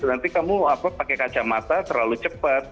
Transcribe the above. nanti kamu apa pake kacamata terlalu cepat